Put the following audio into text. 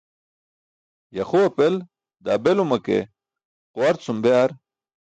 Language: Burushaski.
Yaxu apel daa beluma ke quwar cum be ar